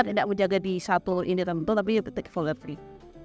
kita tidak menggoda disatu ini tentu tapi tetik volatil tc